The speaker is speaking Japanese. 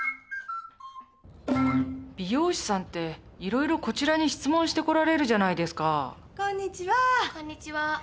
美容師さんっていろいろこちらに質問してこられるじゃないですかこんにちは。